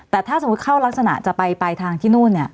แต่ถ้าสมมติเขารักษณะจะไปไปทางที่นู้น